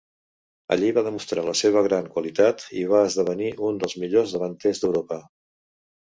Allí va demostrar la seva gran qualitat i va esdevenir un dels millors davanters d'Europa.